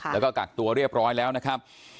แล้วก็กักตัวเรียบร้อยแล้วนะครับ